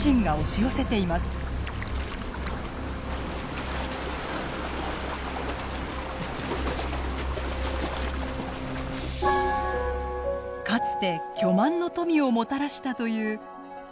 かつて巨万の富をもたらしたという宝の魚。